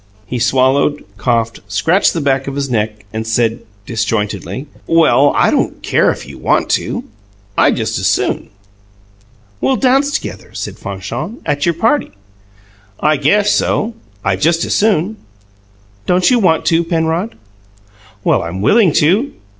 He swallowed, coughed, scratched the back of his neck, and said, disjointedly: "Well I don't care if you want to. I just as soon." "We'll dance together," said Fanchon, "at your party." "I guess so. I just as soon." "Don't you want to, Penrod?" "Well, I'm willing to."